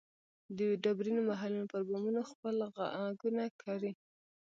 د ډبرینو محلونو پر بامونو خپل ږغونه کري